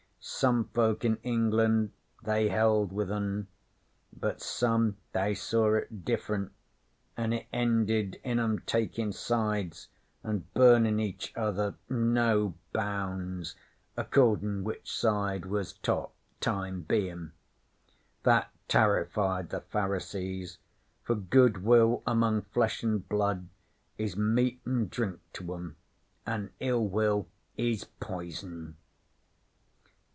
Some folk in England they held with 'en; but some they saw it different, an' it eended in 'em takin' sides an' burnin' each other no bounds, accordin' which side was top, time bein'. That tarrified the Pharisees: for Goodwill among Flesh an' Blood is meat an' drink to 'em, an' ill will is poison.'